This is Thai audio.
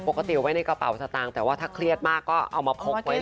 เอาไว้ในกระเป๋าสตางค์แต่ว่าถ้าเครียดมากก็เอามาพกไว้เลย